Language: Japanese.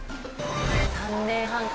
３年半か。